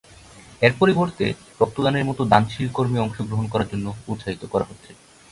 এর পরিবর্তে রক্ত দানের মত দানশীল কর্মে অংশ গ্রহণ করার জন্য উৎসাহিত করা হচ্ছে।